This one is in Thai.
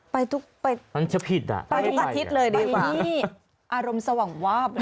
ไปทุกอาทิตย์เลยดีกว่าไปที่อารมณ์สว่างวาบ